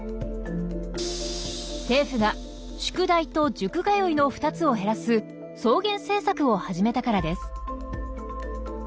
政府が「宿題」と「塾通い」の２つを減らす「双減政策」を始めたからです。